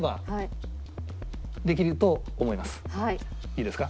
いいですか？